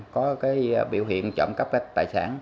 có biểu hiện trộm cấp tài sản